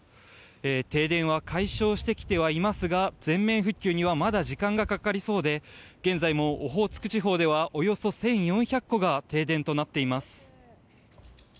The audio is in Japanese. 停電は解消してきてはいますが全面復旧にはまだ時間がかかりそうで現在もオホーツク地方ではおよそ１４００戸が停電となっています。